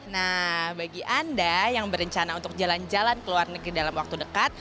nah bagi anda yang berencana untuk jalan jalan ke luar negeri dalam waktu dekat